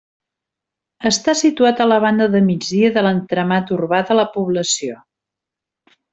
Està situat a la banda de migdia de l'entramat urbà de la població.